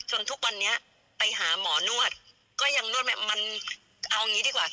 ทุกวันนี้ไปหาหมอนวดก็ยังนวดแบบมันเอางี้ดีกว่า